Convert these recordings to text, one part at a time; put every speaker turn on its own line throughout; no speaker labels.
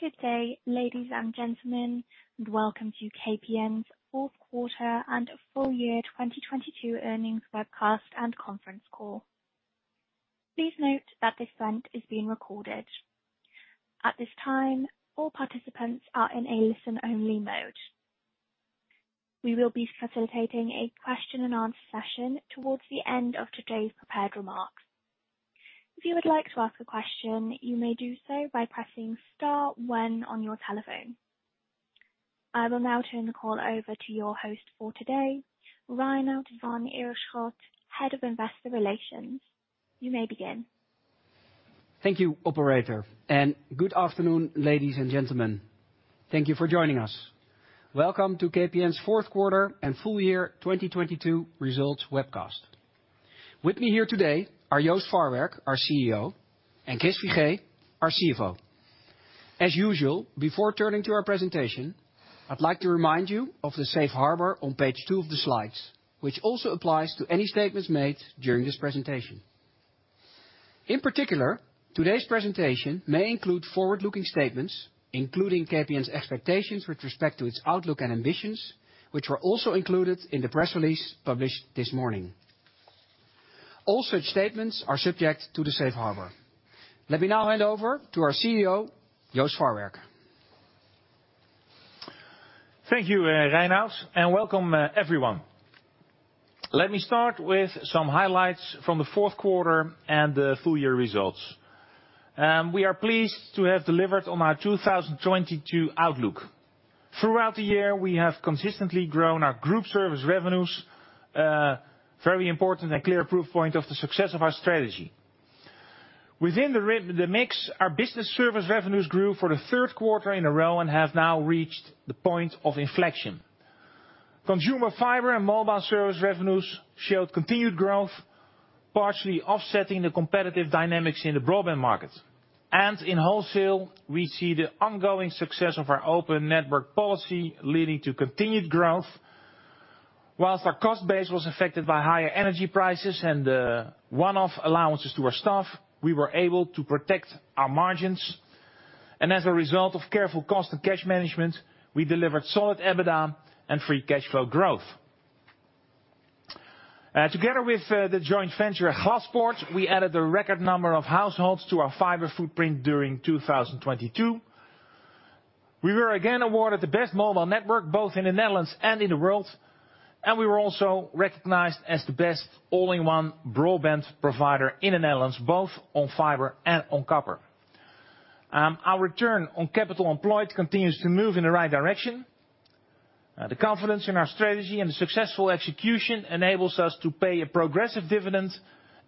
Good day, ladies and gentlemen, and welcome to KPN's Q4 and full year 2022 earnings webcast and conference call. Please note that this event is being recorded. At this time, all participants are in a listen-only mode. We will be facilitating a question-and-answer session towards the end of today's prepared remarks. If you would like to ask a question, you may do so by pressing star one on your telephone. I will now turn the call over to your host for today, Reinout van Ierschot, head of investor relations. You may begin.
Thank you, operator. Good afternoon, ladies and gentlemen. Thank you for joining us. Welcome to KPN's Q4 and full year 2022 results webcast. With me here today are Joost Farwerck, our CEO, and Chris Figee, our CFO. As usual, before turning to our presentation, I'd like to remind you of the safe harbor on page two of the slides, which also applies to any statements made during this presentation. In particular, today's presentation may include forward-looking statements, including KPN's expectations with respect to its outlook and ambitions, which were also included in the press release published this morning. All such statements are subject to the safe harbor. Let me now hand over to our CEO, Joost Farwerck.
Thank you, Reinout, welcome everyone. Let me start with some highlights from the Q4 and the full year results. We are pleased to have delivered on our 2022 outlook. Throughout the year, we have consistently grown our group service revenues, very important and clear proof point of the success of our strategy. Within the mix, our business service revenues grew for the Q3 in a row and have now reached the point of inflection. Consumer fiber and mobile service revenues showed continued growth, partially offsetting the competitive dynamics in the broadband market. In wholesale, we see the ongoing success of our open network policy leading to continued growth. Whilst our cost base was affected by higher energy prices and the one-off allowances to our staff, we were able to protect our margins, as a result of careful cost and cash management, we delivered solid EBITDA and free cash flow growth. Together with the joint venture Glaspoort, we added a record number of households to our fiber footprint during 2022. We were again awarded the best mobile network, both in the Netherlands and in the world, we were also recognized as the best all-in-one broadband provider in the Netherlands, both on fiber and on copper. Our return on capital employed continues to move in the right direction. The confidence in our strategy and successful execution enables us to pay a progressive dividend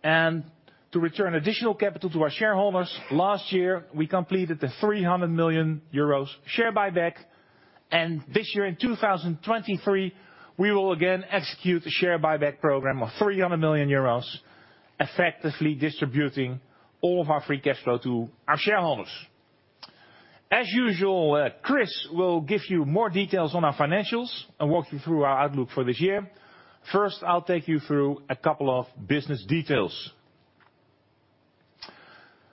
and to return additional capital to our shareholders. Last year, we completed the 300 million euros share buyback, and this year in 2023, we will again execute a share buyback program of 300 million euros, effectively distributing all of our free cash flow to our shareholders. As usual, Chris will give you more details on our financials and walk you through our outlook for this year. First, I'll take you through a couple of business details.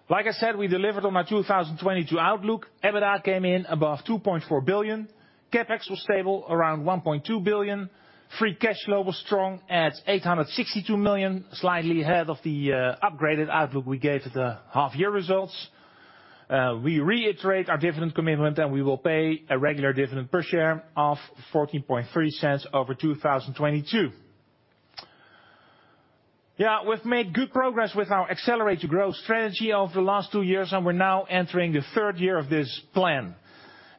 Like I said, we delivered on our 2022 outlook. EBITDA came in above 2.4 billion. CapEx was stable around 1.2 billion. Free cash flow was strong at 862 million, slightly ahead of the upgraded outlook we gave at the half year results. We reiterate our dividend commitment, and we will pay a regular dividend per share of 0.143 over 2022. Yeah, we've made good progress with our accelerate to growth strategy over the last two years, and we're now entering the third year of this plan.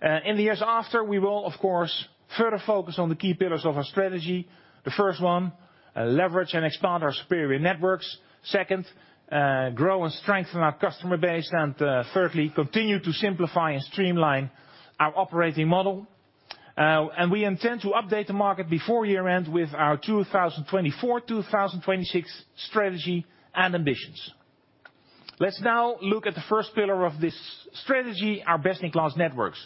In the years after, we will of course, further focus on the key pillars of our strategy. The first one, leverage and expand our superior networks. Second, grow and strengthen our customer base. Thirdly, continue to simplify and streamline our operating model. We intend to update the market before year-end with our 2024-2026 strategy and ambitions. Let's now look at the first pillar of this strategy, our best-in-class networks.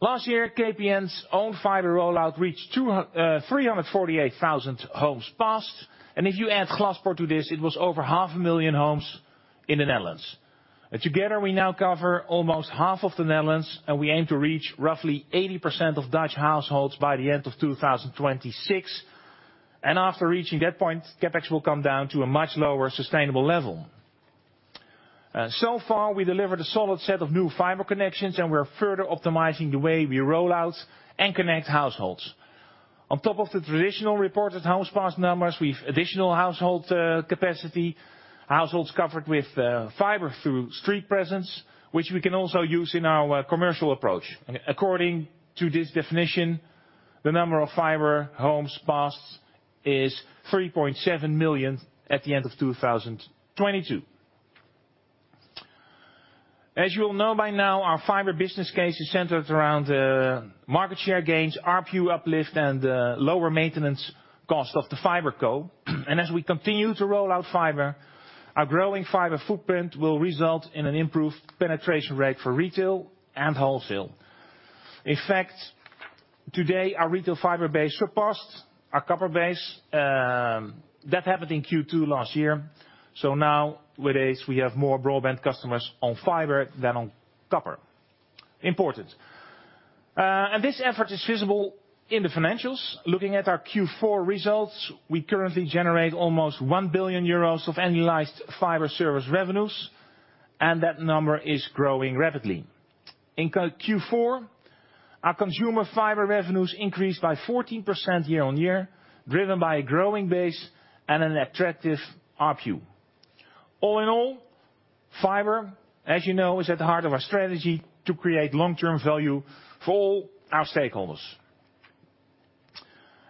Last year, KPN's own fiber rollout reached 348,000 homes passed. If you add Glaspoort to this, it was over 500,000 homes in the Netherlands. Together, we now cover almost half of the Netherlands, and we aim to reach roughly 80% of Dutch households by the end of 2026. After reaching that point, CapEx will come down to a much lower sustainable level. So far, we delivered a solid set of new fiber connections, and we're further optimizing the way we roll out and connect households. On top of the traditional reported homes passed numbers, we've additional household capacity, households covered with fiber through street presence, which we can also use in our commercial approach. According to this definition, the number of fiber homes passed is 3.7 million at the end of 2022. As you all know by now, our fiber business case is centered around market share gains, ARPU uplift, and lower maintenance cost of the fiber co. As we continue to roll out fiber, our growing fiber footprint will result in an improved penetration rate for retail and wholesale. Today, our retail fiber base surpassed our copper base. That happened in Q2 last year. Now, with this we have more broadband customers on fiber than on copper. Important. This effort is visible in the financials. Looking at our Q4 results, we currently generate almost 1 billion euros of annualized fiber service revenues, and that number is growing rapidly. In Q4, our consumer fiber revenues increased by 14% year-on-year, driven by a growing base and an attractive ARPU. All in all, fiber, as you know, is at the heart of our strategy to create long-term value for all our stakeholders.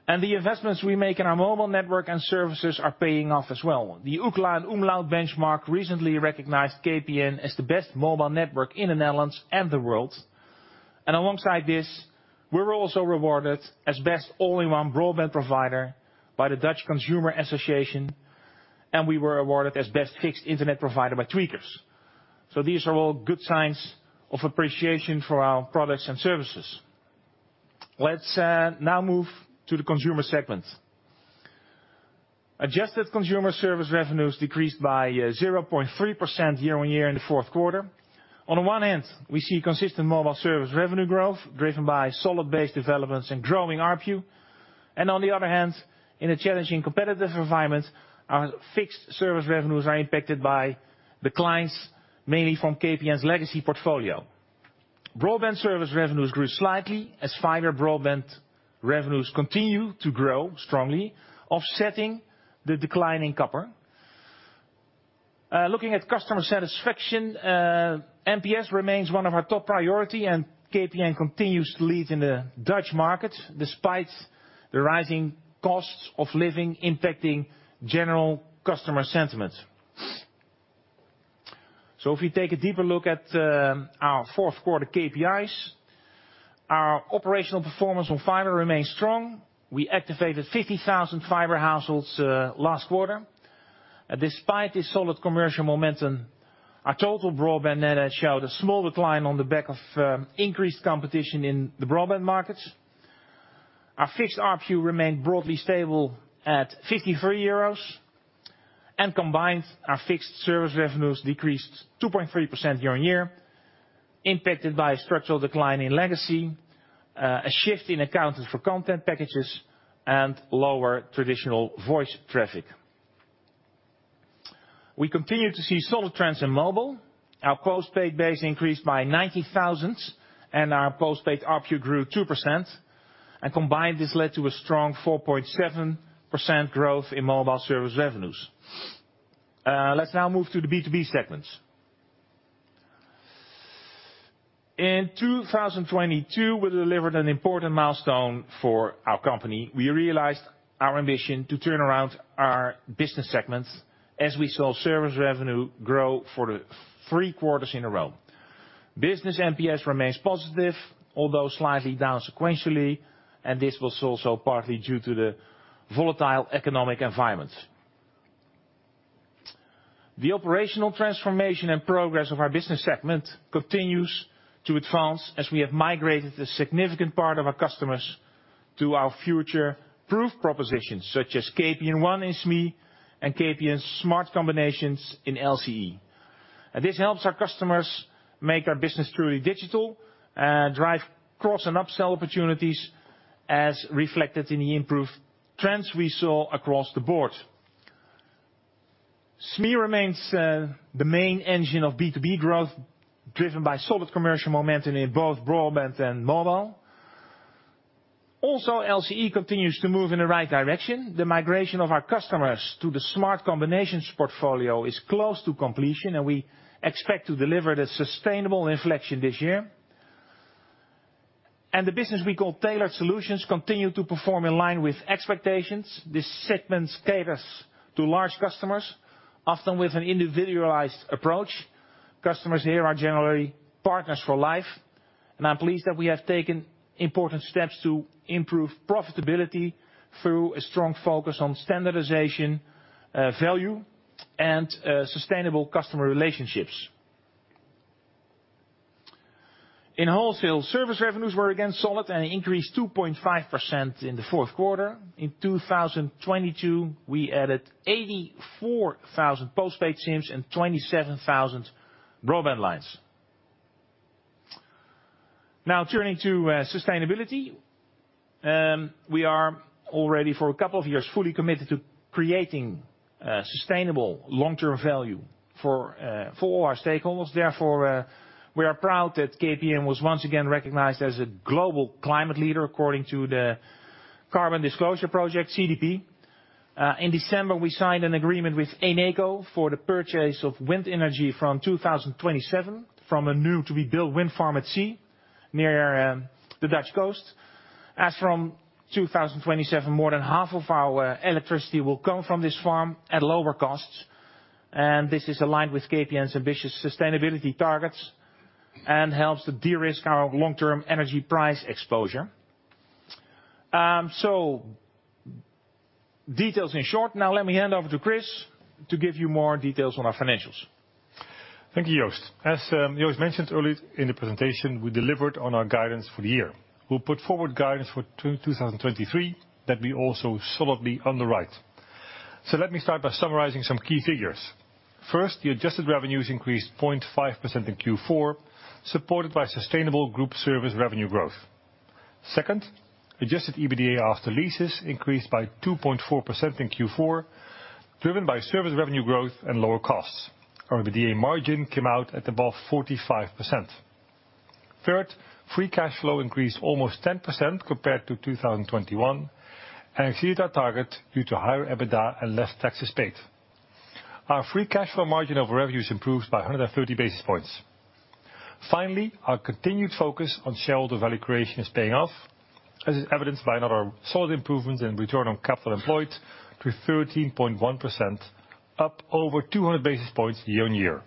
The investments we make in our mobile network and services are paying off as well. The Ookla and Umlaut benchmark recently recognized KPN as the best mobile network in the Netherlands and the world. Alongside this, we were also rewarded as best all-in-one broadband provider by the Dutch Consumer Association, and we were awarded as best fixed internet provider by Tweakers. These are all good signs of appreciation for our products and services. Let's now move to the consumer segment. Adjusted consumer service revenues decreased by 0.3% year-on-year in the Q4. On one hand, we see consistent mobile service revenue growth driven by solid base developments and growing ARPU. On the other hand, in a challenging competitive environment, our fixed service revenues are impacted by declines, mainly from KPN's legacy portfolio. Broadband service revenues grew slightly as fiber broadband revenues continue to grow strongly, offsetting the decline in copper. Looking at customer satisfaction, NPS remains one of our top priority, and KPN continues to lead in the Dutch market despite the rising costs of living impacting general customer sentiment. If you take a deeper look at our Q4 KPIs, our operational performance on fiber remains strong. We activated 50,000 fiber households last quarter. Despite this solid commercial momentum, our total broadband net add showed a small decline on the back of increased competition in the broadband markets. Our fixed ARPU remained broadly stable at 53 euros. Combined, our fixed service revenues decreased 2.3% year-on-year, impacted by a structural decline in legacy, a shift in accounting for content packages, and lower traditional voice traffic. We continue to see solid trends in mobile. Our postpaid base increased by 90,000, and our postpaid ARPU grew 2%, and combined this led to a strong 4.7% growth in mobile service revenues. Let's now move to the B2B segment. In 2022, we delivered an important milestone for our company. We realized our ambition to turn around our business segment as we saw service revenue grow for the three quarters in a row. Business NPS remains positive, although slightly down sequentially, and this was also partly due to the volatile economic environment. The operational transformation and progress of our business segment continues to advance as we have migrated a significant part of our customers to our future proof propositions, such as KPN EEN and SME and KPN Smart Combinations in LCE. This helps our customers make our business truly digital and drive cross and upsell opportunities as reflected in the improved trends we saw across the board. SME remains the main engine of B2B growth, driven by solid commercial momentum in both broadband and mobile. LCE continues to move in the right direction. The migration of our customers to the Smart Combinations portfolio is close to completion, and we expect to deliver the sustainable inflection this year. The business we call Tailored Solutions continue to perform in line with expectations. This segment caters to large customers, often with an individualized approach. Customers here are generally partners for life, and I'm pleased that we have taken important steps to improve profitability through a strong focus on standardization, value, and sustainable customer relationships. In wholesale, service revenues were again solid and increased 2.5% in the Q4. In 2022, we added 84,000 postpaid SIMs and 27,000 broadband lines. Turning to sustainability. We are already for a couple of years fully committed to creating sustainable long-term value for all our stakeholders. We are proud that KPN was once again recognized as a global climate leader according to the Carbon Disclosure Project, CDP. In December, we signed an agreement with Eneco for the purchase of wind energy from 2027 from a new to-be-built wind farm at sea near the Dutch coast. From 2027, more than half of our electricity will come from this farm at lower costs. This is aligned with KPN's ambitious sustainability targets and helps to de-risk our long-term energy price exposure. Details in short. Now, let me hand over to Chris to give you more details on our financials.
Thank you, Joost. As Joost mentioned earlier in the presentation, we delivered on our guidance for the year. We'll put forward guidance for 2023 that we also solidly underwrite. Let me start by summarizing some key figures. First, the adjusted revenue has increased 0.5% in Q4, supported by sustainable group service revenue growth. Second, adjusted EBITDA after leases increased by 2.4% in Q4, driven by service revenue growth and lower costs. Our EBITDA margin came out at above 45%. Third, free cash flow increased almost 10% compared to 2021, and exceeded our target due to higher EBITDA and less taxes paid. Our free cash flow margin of revenues improved by 130 basis points. Finally, our continued focus on shareholder value creation is paying off as is evidenced by another solid improvement in return on capital employed to 13.1%, up over 200 basis points year-on-year.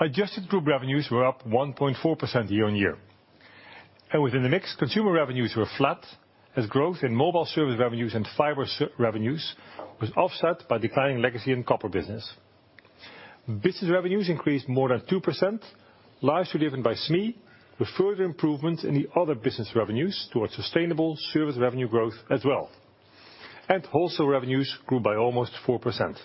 Adjusted group revenues were up 1.4% year-on-year. Within the mix, consumer revenues were flat as growth in mobile service revenues and fiber revenues was offset by declining legacy and copper business. Business revenues increased more than 2%, largely driven by SME, with further improvement in the other business revenues towards sustainable service revenue growth as well. Wholesale revenues grew by almost 4%.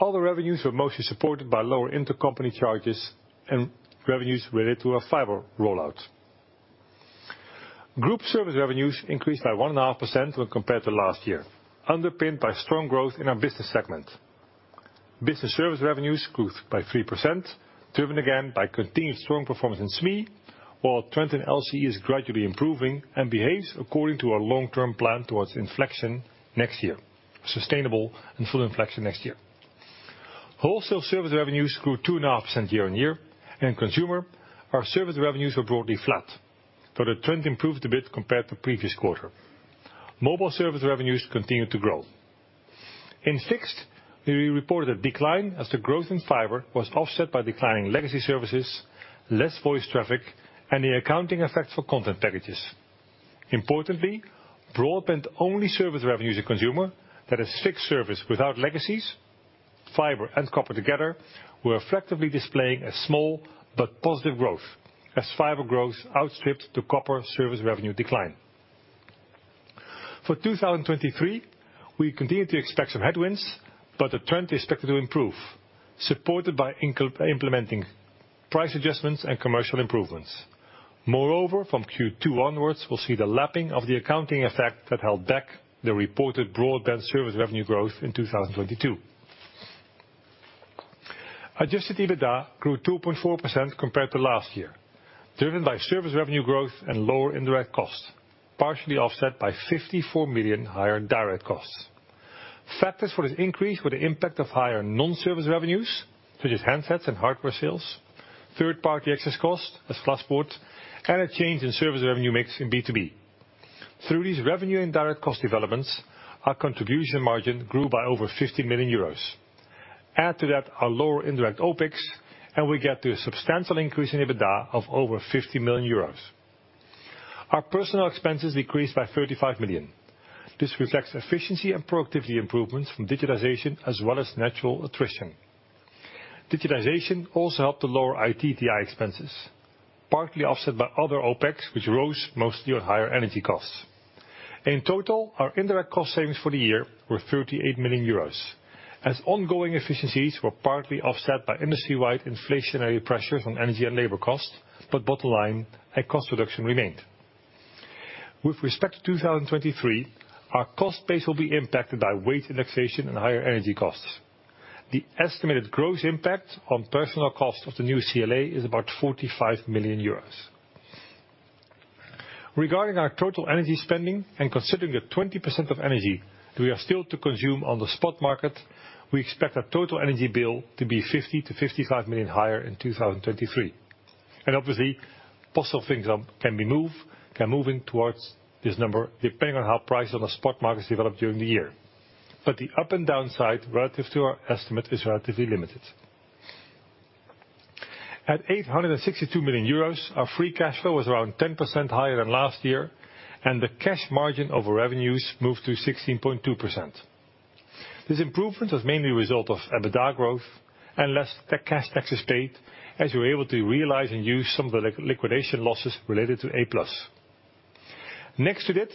Other revenues were mostly supported by lower intercompany charges and revenues related to our fiber rollout. Group service revenues increased by 1.5% when compared to last year, underpinned by strong growth in our business segment. Business service revenues grew by 3%, driven again by continued strong performance in SME, while trend in LCE is gradually improving and behaves according to our long-term plan towards inflection next year. Sustainable and full inflection next year. Wholesale service revenues grew 2.5% year-on-year. In consumer, our service revenues were broadly flat, but the trend improved a bit compared to previous quarter. Mobile service revenues continued to grow. In fixed, we reported a decline as the growth in fiber was offset by declining legacy services, less voice traffic, and the accounting effect for content packages. Importantly, broadband-only service revenues in consumer, that is fixed service without legacies, fiber and copper together, were effectively displaying a small but positive growth as fiber growth outstripped the copper service revenue decline. For 2023, we continue to expect some headwinds. The trend is expected to improve, supported by implementing price adjustments and commercial improvements. From Q2 onwards, we'll see the lapping of the accounting effect that held back the reported broadband service revenue growth in 2022. Adjusted EBITDA grew 2.4% compared to last year, driven by service revenue growth and lower indirect costs, partially offset by 54 million higher direct costs. Factors for this increase were the impact of higher non-service revenues, such as handsets and hardware sales, third party access costs as Glaspoort, and a change in service revenue mix in B2B. Through these revenue and direct cost developments, our contribution margin grew by over 50 million euros. Add to that our lower indirect OPEX, we get to a substantial increase in EBITDA of over 50 million euros. Our personnel expenses decreased by 35 million. This reflects efficiency and productivity improvements from digitization as well as natural attrition. Digitization also helped to lower ITDI expenses, partly offset by other OPEX, which rose mostly on higher energy costs. In total, our indirect cost savings for the year were 38 million euros, as ongoing efficiencies were partly offset by industry-wide inflationary pressures on energy and labor costs. Bottom line and cost reduction remained. With respect to 2023, our cost base will be impacted by wage indexation and higher energy costs. The estimated gross impact on personal cost of the new CLA is about 45 million euros. Regarding our total energy spending and considering that 20% of energy we are still to consume on the spot market, we expect our total energy bill to be 50 million to 55 million higher in 2023. Obviously, possible things can move in towards this number depending on how prices on the spot markets develop during the year. The up and down side relative to our estimate is relatively limited. At 862 million euros, our free cash flow was around 10% higher than last year, and the cash margin of revenues moved to 16.2%. This improvement was mainly a result of EBITDA growth and less cash taxes paid, as we were able to realize and use some of the liquidation losses related to E-Plus. Next to this,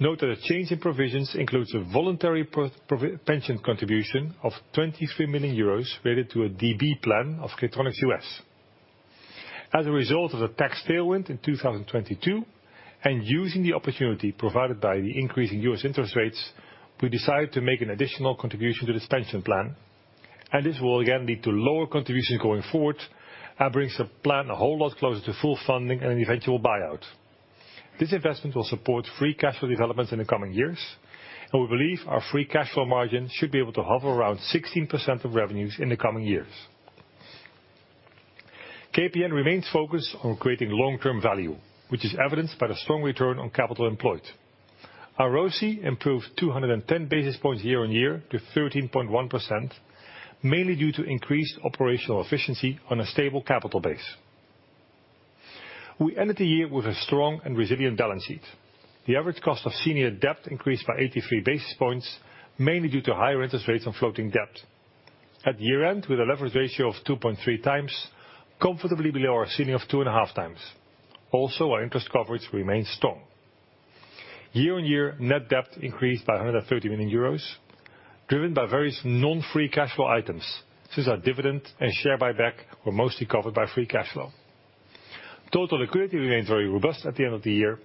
note that a change in provisions includes a voluntary pension contribution of 23 million euros related to a DB plan of KPN US. As a result of the tax tailwind in 2022, using the opportunity provided by the increase in U.S. interest rates, we decided to make an additional contribution to this pension plan. This will again lead to lower contributions going forward and brings the plan a whole lot closer to full funding and an eventual buyout. This investment will support free cash flow developments in the coming years. We believe our free cash flow margin should be able to hover around 16% of revenues in the coming years. KPN remains focused on creating long-term value, which is evidenced by the strong return on capital employed. Our ROC improved 210 basis points year-over-year to 13.1%, mainly due to increased operational efficiency on a stable capital base. We ended the year with a strong and resilient balance sheet. The average cost of senior debt increased by 83 basis points, mainly due to higher interest rates on floating debt. At year-end, with a leverage ratio of 2.3 times, comfortably below our ceiling of 2.5 times. Our interest coverage remains strong. Year-over-year, net debt increased by 130 million euros, driven by various non-free cash flow items since our dividend and share buyback were mostly covered by free cash flow. Total liquidity remains very robust at the end of the year,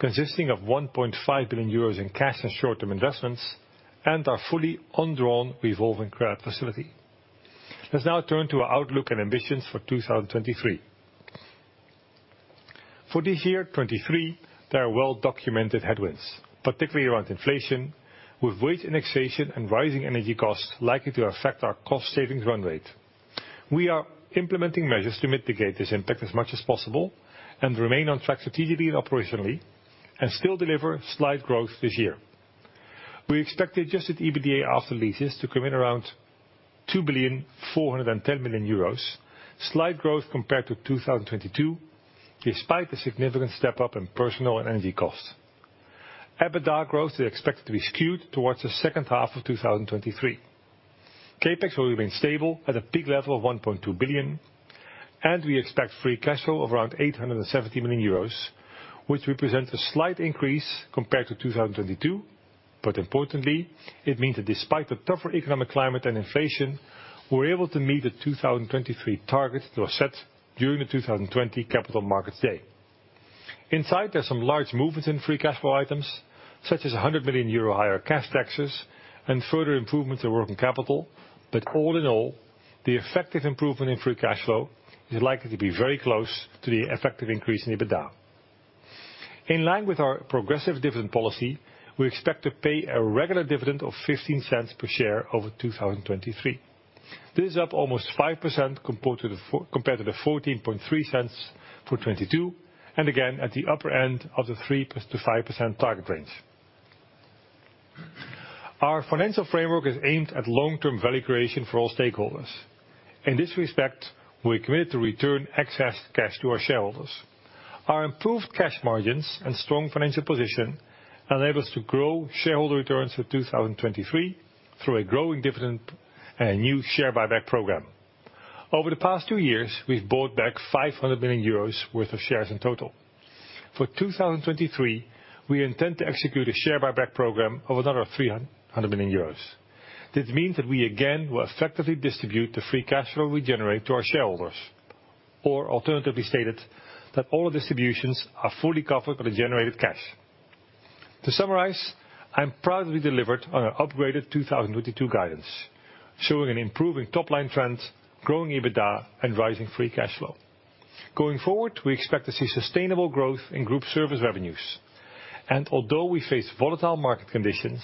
consisting of 1.5 billion euros in cash and short-term investments and our fully undrawn revolving credit facility. Let's now turn to our outlook and ambitions for 2023. For this year, 2023, there are well-documented headwinds, particularly around inflation, with wage indexation and rising energy costs likely to affect our cost savings run rate. We are implementing measures to mitigate this impact as much as possible and remain on track strategically and operationally, and still deliver slight growth this year. We expect adjusted EBITDA after leases to come in around 2.41 billion euros, slight growth compared to 2022, despite the significant step up in personal and energy costs. EBITDA growth is expected to be skewed towards the second half of 2023. CapEx will remain stable at a peak level of 1.2 billion, and we expect free cash flow of around 870 million euros, which represents a slight increase compared to 2022. Importantly, it means that despite the tougher economic climate and inflation, we're able to meet the 2023 targets that were set during the 2020 capital markets day. Inside, there's some large movements in free cash flow items, such as 100 million euro higher cash taxes and further improvements to working capital. All in all, the effective improvement in free cash flow is likely to be very close to the effective increase in EBITDA. In line with our progressive dividend policy, we expect to pay a regular dividend of 0.15 per share over 2023. This is up almost 5% compared to the 0.143 for 2022, and again, at the upper end of the 3%-5% target range. Our financial framework is aimed at long-term value creation for all stakeholders. In this respect, we're committed to return excess cash to our shareholders. Our improved cash margins and strong financial position enable us to grow shareholder returns for 2023 through a growing dividend and a new share buyback program. Over the past two years, we've bought back 500 million euros worth of shares in total. For 2023, we intend to execute a share buyback program of another 300 million euros. This means that we again will effectively distribute the free cash flow we generate to our shareholders. Alternatively stated, that all distributions are fully covered by the generated cash. To summarize, I'm proudly delivered on our upgraded 2022 guidance, showing an improving top-line trend, growing EBITDA, and rising free cash flow. Going forward, we expect to see sustainable growth in group service revenues. Although we face volatile market conditions,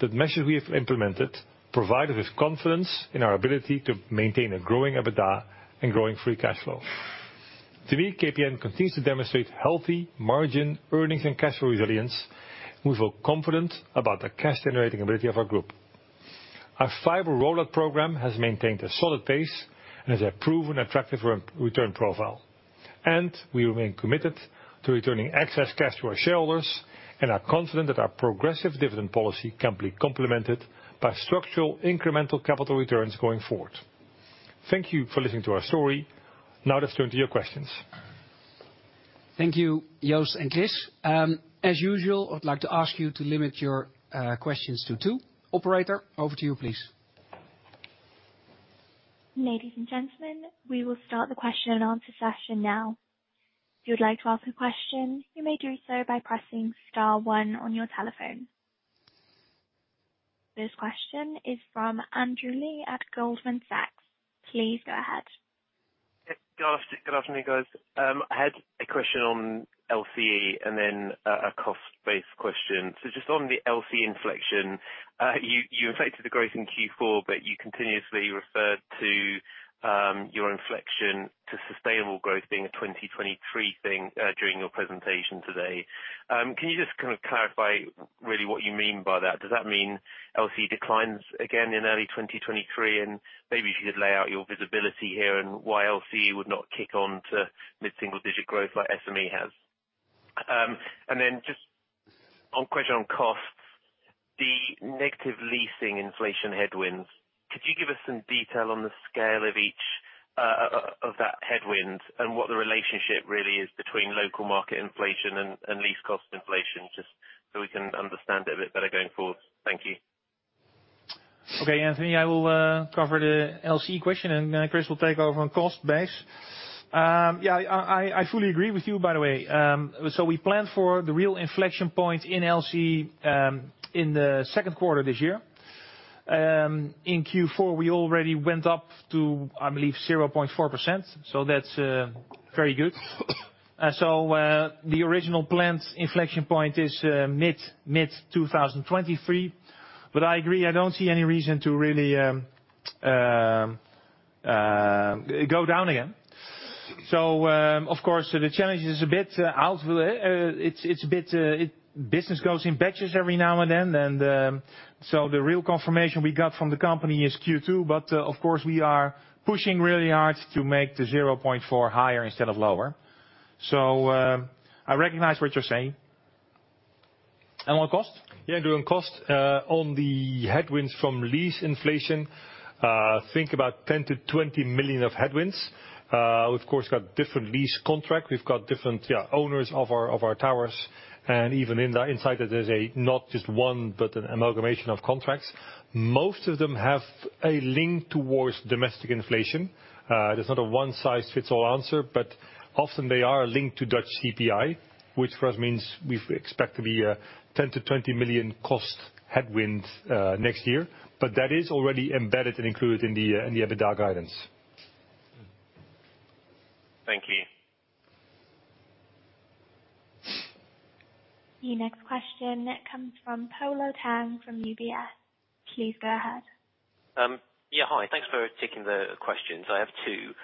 the measures we have implemented provide us with confidence in our ability to maintain a growing EBITDA and growing free cash flow. To me, KPN continues to demonstrate healthy margin earnings and cash flow resilience, and we feel confident about the cash-generating ability of our group. Our fiber rollout program has maintained a solid pace and has a proven attractive return profile. We remain committed to returning excess cash to our shareholders and are confident that our progressive dividend policy can be complemented by structural incremental capital returns going forward. Thank you for listening to our story. Now let's turn to your questions.
Thank you, Joost and Chris. As usual, I'd like to ask you to limit your questions to two. Operator, over to you, please.
Ladies and gentlemen, we will start the question and answer session now. If you would like to ask a question, you may do so by pressing star one on your telephone. First question is from Andrew Lee at Goldman Sachs. Please go ahead.
Good afternoon, guys. I had a question on LCE and then a cost-based question. Just on the LCE inflection, you affected the growth in Q4, but you continuously referred to, your inflection to sustainable growth being a 2023 thing, during your presentation today. Can you just kind of clarify really what you mean by that? Does that mean LCE declines again in early 2023? Maybe if you could lay out your visibility here and why LCE would not kick on to mid-single digit growth like SME has. Just on question on costs, the negative leasing inflation headwinds, could you give us some detail on the scale of each of that headwind and what the relationship really is between local market inflation and lease cost inflation, just so we can understand it a bit better going forward. Thank you.
Anthony, I will cover the LCE question, Chris will take over on cost base. Yeah, I fully agree with you, by the way. We planned for the real inflection point in LCE in the Q2 this year. In Q4, we already went up to, I believe, 0.4%, that's very good. The original planned inflection point is mid 2023. I agree, I don't see any reason to really go down again. Of course, the challenge is a bit out, it's a bit, business goes in batches every now and then. The real confirmation we got from the company is Q2, but, of course, we are pushing really hard to make the 0.4 higher instead of lower. I recognize what you're saying. What cost?
Yeah, during cost, on the headwinds from lease inflation, think about 10 million-20 million of headwinds. Of course, got different lease contract. We've got different, yeah, owners of our, of our towers. Even in that inside, there's a not just one, but an amalgamation of contracts. Most of them have a link towards domestic inflation. There's not a one-size-fits-all answer, but often they are linked to Dutch CPI, which for us means we've expect to be a 10 million-20 million cost headwind next year. That is already embedded and included in the EBITDA guidance.
Thank you.
The next question comes from Polo Tang from UBS. Please go ahead.
Yeah, hi. Thanks for taking the questions. I have two.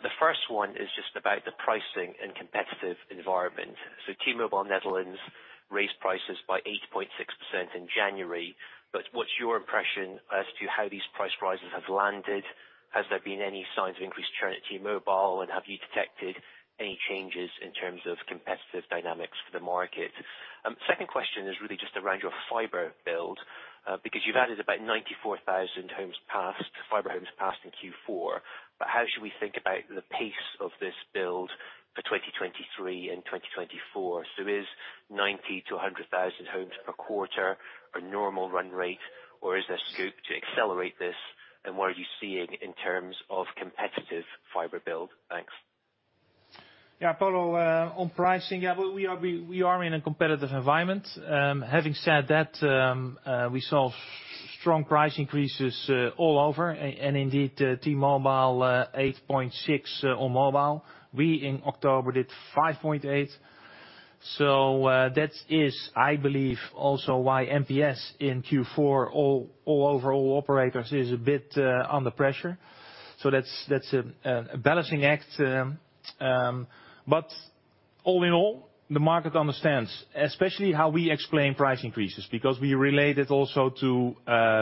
The first one is just about the pricing and competitive environment. T-Mobile Netherlands raised prices by 8.6% in January. What's your impression as to how these price rises have landed? Has there been any signs of increased churn at T-Mobile? Have you detected any changes in terms of competitive dynamics for the market? Second question is really just around your fiber build, because you've added about 94,000 homes passed, fiber homes passed in Q4. How should we think about the pace of this build for 2023 and 2024? Is 90 to 100,000 homes per quarter a normal run rate, or is there scope to accelerate this? What are you seeing in terms of competitive fiber build? Thanks.
Polo, on pricing, we are in a competitive environment. Having said that, we saw strong price increases all over and indeed T-Mobile 8.6% on mobile. We, in October, did 5.8%. That is, I believe, also why NPS in Q4 all overall operators is a bit under pressure. That's a balancing act. All in all, the market understands, especially how we explain price increases because we relate it also to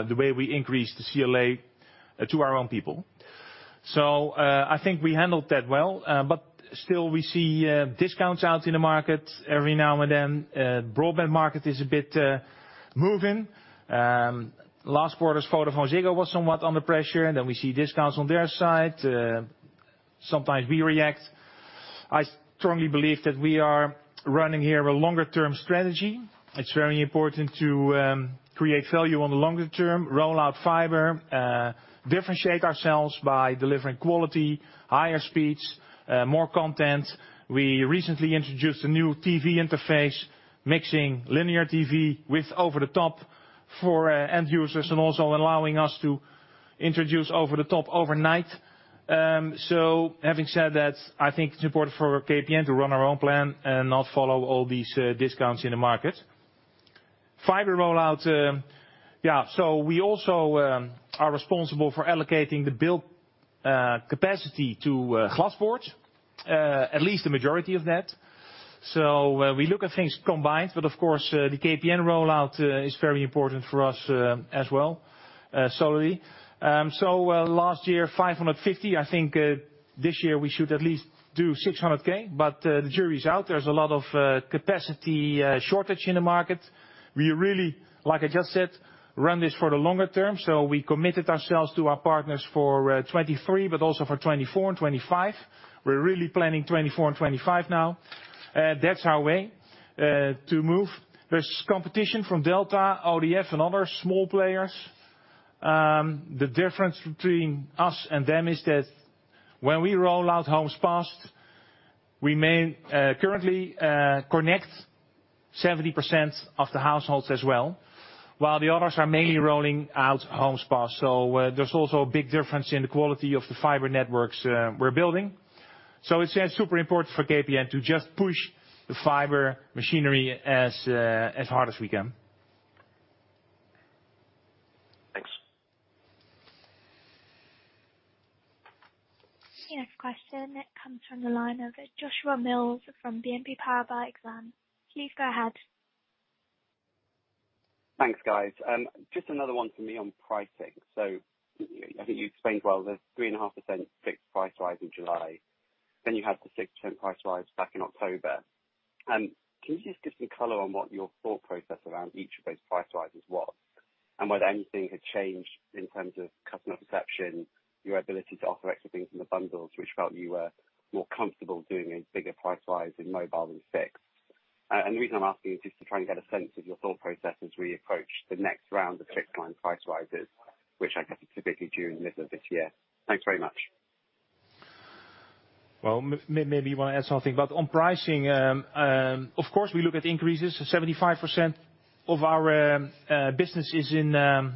the way we increase the CLA to our own people. I think we handled that well, but still we see discounts out in the market every now and then. Broadband market is a bit moving. Last quarter's VodafoneZiggo was somewhat under pressure, and then we see discounts on their side. Sometimes we react. I strongly believe that we are running here a longer-term strategy. It's very important to create value on the longer term, roll out fiber, differentiate ourselves by delivering quality, higher speeds, more content. We recently introduced a new TV interface, mixing linear TV with over-the-top for end users and also allowing us to introduce over-the-top overnight. Having said that, I think it's important for KPN to run our own plan and not follow all these discounts in the market. Fiber rollout, yeah. We also are responsible for allocating the build capacity to Glaspoort, at least the majority of that. We look at things combined, but of course, the KPN rollout is very important for us as well solely. Last year, 550. I think this year we should at least do 600K. The jury's out. There's a lot of capacity shortage in the market. We really, like I just said, run this for the longer term. We committed ourselves to our partners for 2023, but also for 2024 and 2025. We're really planning 2024 and 2025 now. That's our way to move. There's competition from Delta, ODF and other small players. The difference between us and them is that when we roll out homes passed, we may currently connect 70% of the households as well, while the others are mainly rolling out homes passed. There's also a big difference in the quality of the fiber networks we're building. It's, yeah, super important for KPN to just push the fiber machinery as hard as we can.
Thanks.
The next question comes from the line of Joshua Mills from BNP Paribas Exane. Please go ahead.
Thanks, guys. Just another one for me on pricing. I think you explained well the 3.5% fixed price rise in July, then you had the 6% price rise back in October. Can you just give me color on what your thought process around each of those price rises was? Whether anything had changed in terms of customer perception, your ability to offer extra things in the bundles, which felt you were more comfortable doing a bigger price rise in mobile than fixed. The reason I'm asking is just to try and get a sense of your thought process as we approach the next round of fixed line price rises, which I guess are typically due in the middle of this year. Thanks very much.
Well, maybe you want to add something on pricing, of course, we look at increases. 75% of our business is in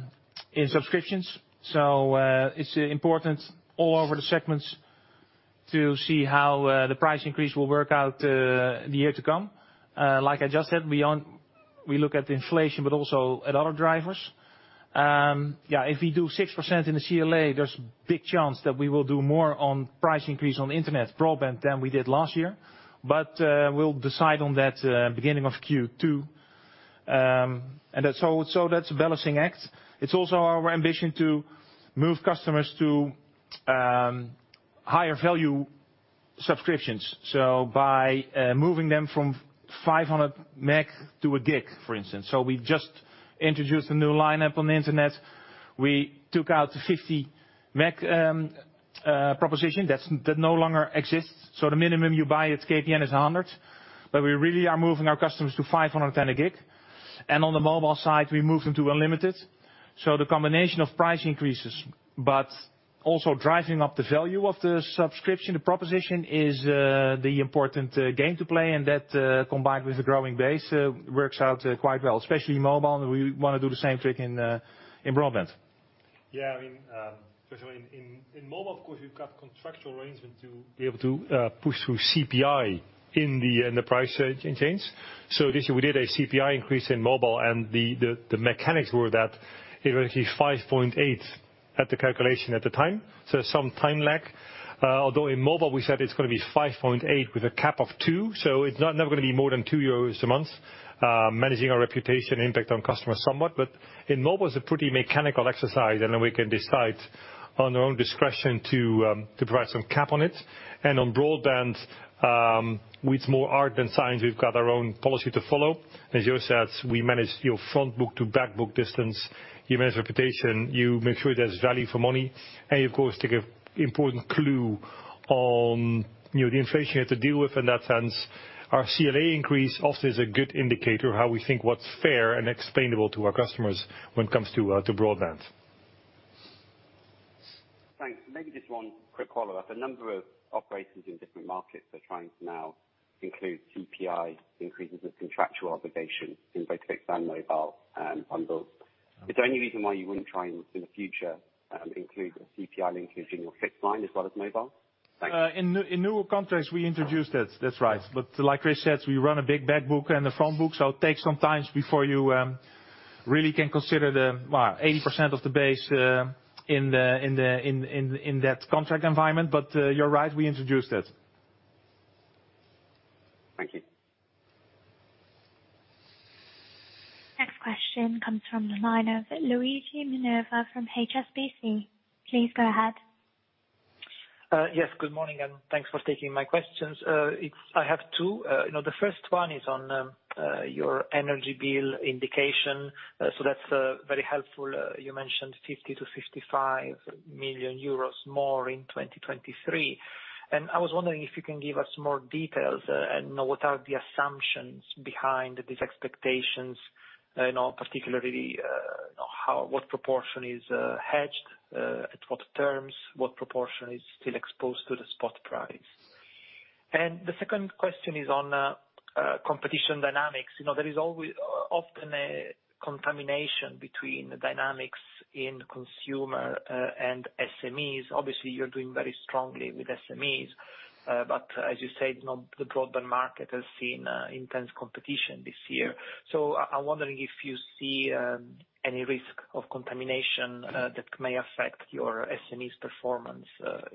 subscriptions. It's important all over the segments to see how the price increase will work out in the year to come. Like I just said, we look at inflation, also at other drivers. Yeah, if we do 6% in the CLA, there's big chance that we will do more on price increase on internet broadband than we did last year. We'll decide on that beginning of Q2. That's a balancing act. It's also our ambition to move customers to higher value Subscriptions. By moving them from 500 meg to 1 gig, for instance. We just introduced a new lineup on the internet. We took out the 50 meg proposition. That no longer exists. The minimum you buy at KPN is 100. We really are moving our customers to 500 and 1 gig. On the mobile side, we moved them to unlimited. The combination of price increases, but also driving up the value of the subscription, the proposition is the important game to play, and that combined with the growing base works out quite well, especially mobile. We wanna do the same thing in broadband.
I mean, especially in mobile of course we've got contractual arrangement to be able to push through CPI in the price change. This year we did a CPI increase in mobile and the mechanics were that it was actually 5.8 at the calculation at the time. Some time lag. Although in mobile we said it's gonna be 5.8 with a cap of 2, so it's not gonna be more than 2 euros a month. Managing our reputation impact on customers somewhat. In mobile it's a pretty mechanical exercise, and then we can decide on our own discretion to provide some cap on it. On broadband, with more art than science, we've got our own policy to follow. As Joost says, we manage your front book to back book distance. You manage reputation. You make sure there's value for money. Of course, take an important clue on, you know, the inflation you have to deal with in that sense. Our CLA increase also is a good indicator of how we think what's fair and explainable to our customers when it comes to broadband.
Thanks. Maybe just one quick follow-up. A number of operators in different markets are trying to now include CPI increases with contractual obligation in both fixed and mobile, bundles. Is there any reason why you wouldn't try and in the future, include a CPI link in your fixed line as well as mobile? Thanks.
In newer contracts we introduced it. That's right. Like Chris says, we run a big back book and a front book, so it takes some time before you really can consider the, well, 80% of the base in that contract environment. You're right, we introduced it.
Thank you.
Next question comes from the line of Luigi Minerva from HSBC. Please go ahead.
Yes. Good morning, and thanks for taking my questions. I have two. You know, the first one is on your energy bill indication. That's very helpful. You mentioned 50 million to 55 million euros more in 2023. I was wondering if you can give us more details, and what are the assumptions behind these expectations, you know, particularly, how, what proportion is hedged, at what terms? What proportion is still exposed to the spot price? The second question is on competition dynamics. You know, there is often a contamination between the dynamics in consumer and SMEs. Obviously, you're doing very strongly with SMEs, but as you said, you know, the broadband market has seen intense competition this year. I'm wondering if you see any risk of contamination that may affect your SMEs performance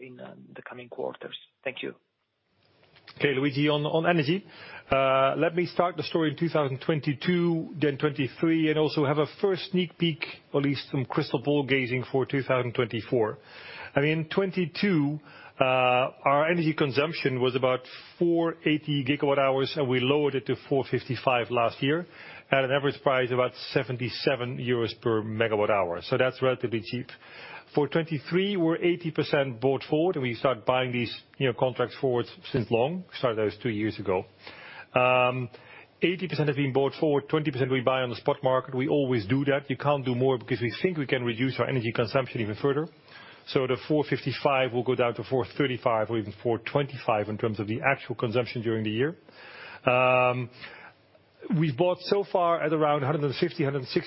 in the coming quarters. Thank you.
Okay, Luigi. On energy, let me start the story in 2022, then 2023, and also have a first sneak peek, or at least some crystal ball gazing for 2024. I mean, in 2022, our energy consumption was about 480 gigawatt hours, and we lowered it to 455 last year at an average price, about 77 euros per megawatt hour, so that's relatively cheap. For 2023, we're 80% bought forward, and we start buying these, you know, contracts forwards since long. We started those two years ago. 80% have been bought forward, 20% we buy on the spot market. We always do that. You can't do more because we think we can reduce our energy consumption even further. The 455 will go down to 435 or even 425 in terms of the actual consumption during the year. We've bought so far at around 150-160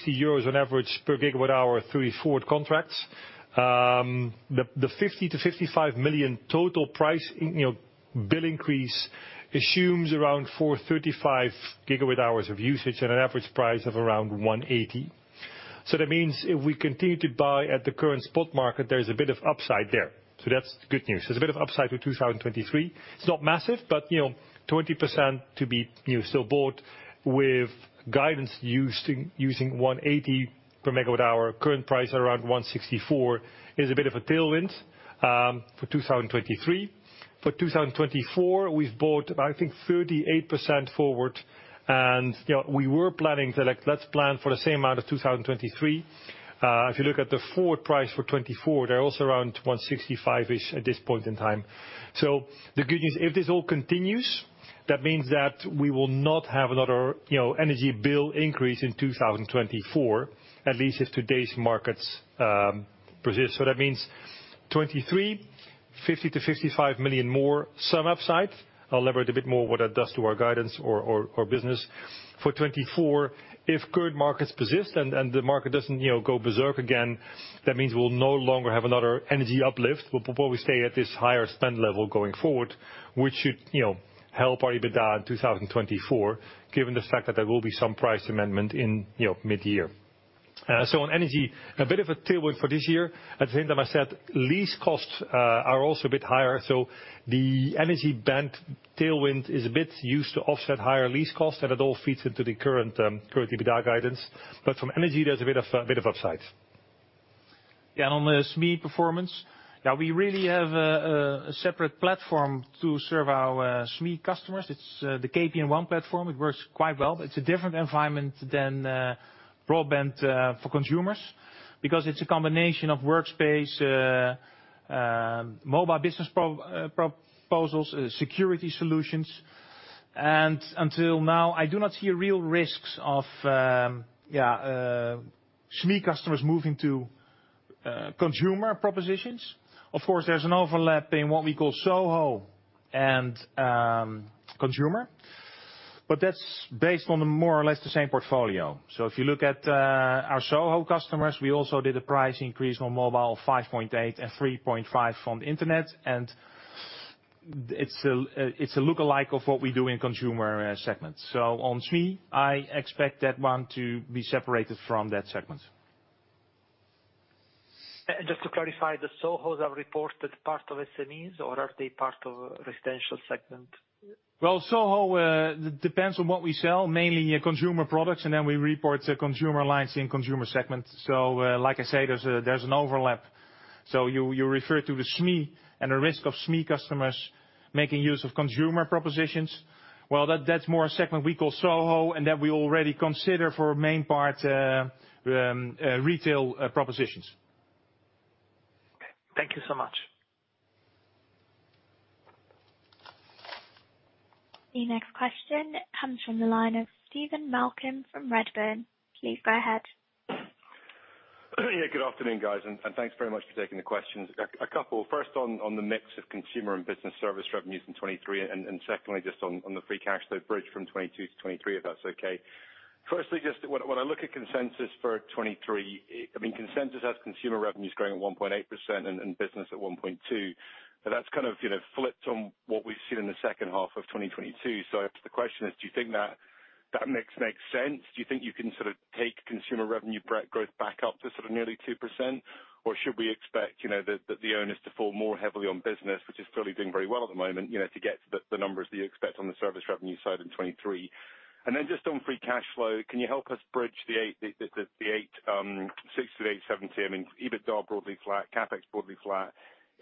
euros on average per gigawatt hour through forward contracts. The 50 million to 55 million total price, you know, bill increase assumes around 435 gigawatt hours of usage at an average price of around 180. That means if we continue to buy at the current spot market, there's a bit of upside there. That's the good news. There's a bit of upside with 2023. It's not massive, but you know, 20% to be, you know, still bought with guidance using 180 per megawatt hour. Current price around 164 is a bit of a tailwind for 2023. For 2024, we've bought I think 38% forward. You know, we were planning to like, let's plan for the same amount of 2023. If you look at the forward price for 2024, they're also around 165-ish at this point in time. The good news, if this all continues, that means that we will not have another, you know, energy bill increase in 2024, at least if today's markets persist. That means 2023, 50 million to 55 million more, some upside. I'll elaborate a bit more what that does to our guidance or business. For 2024, if current markets persist and the market doesn't, you know, go berserk again, that means we'll no longer have another energy uplift. We'll probably stay at this higher spend level going forward, which should, you know, help our EBITDA in 2024, given the fact that there will be some price amendment in, you know, mid-year. On energy, a bit of a tailwind for this year. At the same time I said lease costs are also a bit higher, the energy band tailwind is a bit used to offset higher lease costs, it all feeds into the current EBITDA guidance. From energy, there's a bit of upside. Yeah, on the SME performance. Yeah, we really have a separate platform to serve our SME customers. It's the KPN EEN platform. It works quite well. It's a different environment than broadband for consumers, because it's a combination of workspace, mobile business proposals, security solutions. Until now, I do not see real risks of, yeah, SME customers moving to consumer propositions. Of course, there's an overlap in what we call SOHO and consumer. That's based on the more or less the same portfolio. If you look at our SOHO customers, we also did a price increase on mobile, 5.8 and 3.5 on the internet. It's a lookalike of what we do in consumer segment. On SME, I expect that one to be separated from that segment.
Just to clarify, the SOHOs have reported part of SMEs or are they part of residential segment?
SOHO, depends on what we sell, mainly consumer products, and then we report consumer lines in consumer segments. Like I said, there's an overlap. You refer to the SME and the risk of SME customers making use of consumer propositions. That's more a segment we call SOHO, and that we already consider for main part, retail propositions.
Okay. Thank you so much.
The next question comes from the line of Stephen Malcolm from Redburn. Please go ahead.
Good afternoon, guys, and thanks very much for taking the questions. A couple. First on the mix of consumer and business service revenues in 2023, and secondly, just on the free cash flow bridge from 2022 to 2023, if that's okay. Firstly, just when I look at consensus for 2023, I mean, consensus has consumer revenues growing at 1.8% and business at 1.2%. That's kind of, you know, flipped on what we've seen in the second half of 2022. The question is, do you think that mix makes sense? Do you think you can sort of take consumer revenue growth back up to sort of nearly 2%? Should we expect, you know, the owners to fall more heavily on business, which is clearly doing very well at the moment, you know, to get the numbers that you expect on the service revenue side in 23? Then just on free cash flow, can you help us bridge the 8, 6-870? I mean, EBITDA broadly flat, CapEx broadly flat.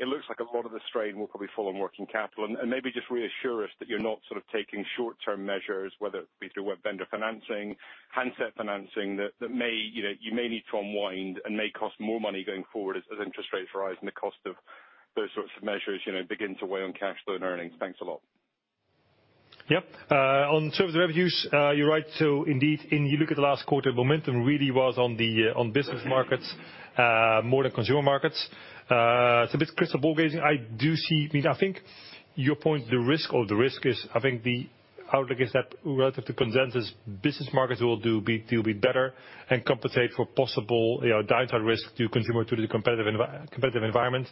It looks like a lot of the strain will probably fall on working capital. Maybe just reassure us that you're not sort of taking short-term measures, whether it be through web vendor financing, handset financing, that may, you know, you may need to unwind and may cost more money going forward as interest rates rise and the cost of those sorts of measures, you know, begin to weigh on cash flow and earnings. Thanks a lot.
Yep. On service revenues, you're right. Indeed, if you look at the last quarter, momentum really was on the, on business markets, more than consumer markets. It's a bit crystal ball gazing. I do see... I think your point, the risk is, I think the outlook is that relative to consensus, business markets will do a bit better and compensate for possible, you know, downside risk to consumer through the competitive environment,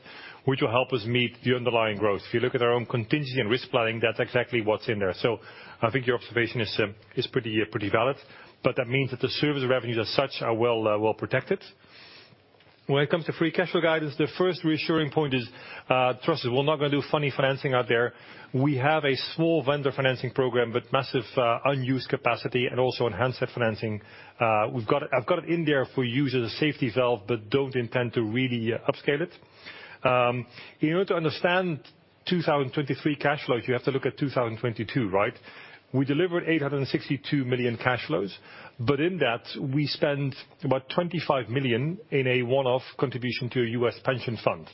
which will help us meet the underlying growth. If you look at our own contingency and risk planning, that's exactly what's in there. I think your observation is pretty valid, but that means that the service revenues as such are well, well protected. When it comes to free cash flow guidance, the first reassuring point is, trust us, we're not gonna do funny financing out there. We have a small vendor financing program, but massive, unused capacity and also enhanced financing. I've got it in there if we use it as a safety valve, but don't intend to really upscale it. In order to understand 2023 cash flows, you have to look at 2022, right? We delivered 862 million cash flows, but in that, we spent about 25 million in a one-off contribution to a U.S. pension fund.